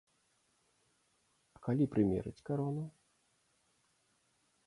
А калі прымерыць карону?